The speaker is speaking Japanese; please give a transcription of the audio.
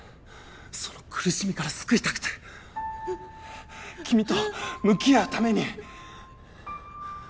その苦しみから救いたくて君と向き合うために。